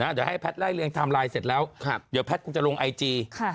เดี๋ยวให้แพทย์ไล่เรียงไทม์ไลน์เสร็จแล้วเดี๋ยวแพทย์คงจะลงไอจี